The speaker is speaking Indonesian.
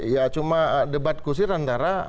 ya cuma debat kusir antara